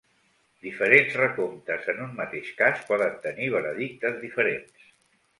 Diferents recomptes en un mateix cas poden tenir veredictes diferents.